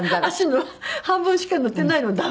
足の半分しか塗ってないの。